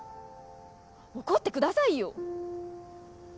怒ってくださいよ。